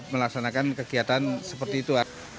melaksanakan kegiatan seperti itu